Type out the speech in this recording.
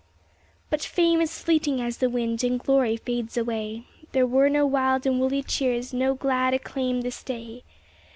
But fame is fleeting as the wind, and glory fades away; There were no wild and woolly cheers, no glad acclaim this day.